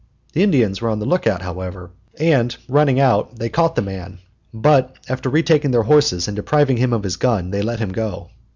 The Indians were on the lookout, however, and, running out, they caught the man; but, after retaking their horses and depriving him of his gun, they let him go.